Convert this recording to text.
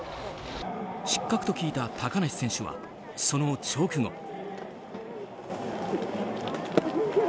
失格と聞いた高梨選手はその直後。